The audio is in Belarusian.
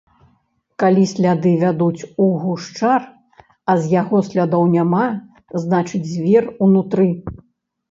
Калі сляды вядуць у гушчар, а з яго слядоў няма, значыць звер унутры.